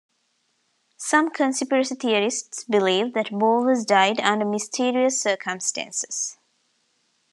Some Conspiracy theorists believe that Bowers died under "mysterious circumstances".